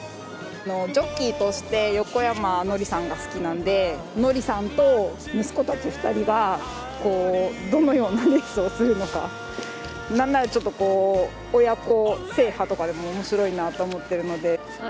ジョッキーとして横山典さんが好きなんで典さんと息子たち２人がどのようなレースをするのかなんなら親子制覇とかでもおもしろいなと思ってるので。